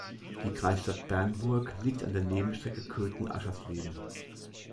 Die Kreisstadt Bernburg liegt an der Nebenstrecke Köthen–Aschersleben.